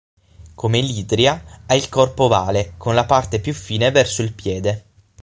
Come l'hydria ha il corpo ovale, con la parte più fine verso il piede.